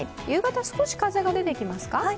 夕方少し風が出てきますか？